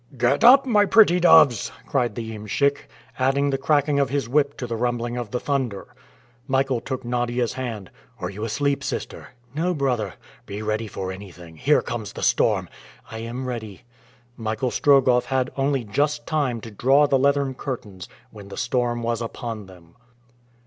"Get up, my pretty doves!" cried the iemschik, adding the cracking of his whip to the rumbling of the thunder. Michael took Nadia's hand. "Are you asleep, sister?" "No, brother." "Be ready for anything; here comes the storm!" "I am ready." Michael Strogoff had only just time to draw the leathern curtains, when the storm was upon them.